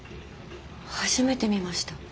初めて見ました。